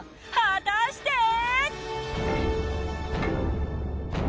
果たして。